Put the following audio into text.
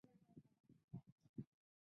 鲁道夫二世。